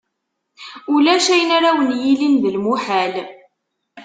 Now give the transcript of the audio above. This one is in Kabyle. Ulac ayen ara wen-yilin d lmuḥal.